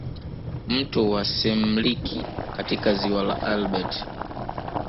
Mto wa semliki katika ziwa la Albert